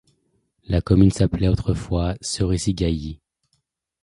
La commune s'appelait autrefois Cerisy-Gailly.